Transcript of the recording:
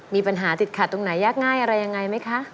มีปัญหาติดขัดตรงไหนยากง่ายอะไรยังไงไหมคะ